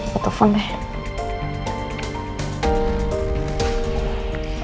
pantau phone deh